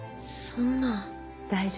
そんな。